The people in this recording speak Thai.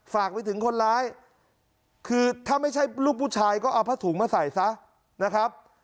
ฝากไปถึงคนร้ายคือถ้าไม่ใช่ลูกผู้ชายก็เอาผ้าถุงมาใส่ซะนะครับ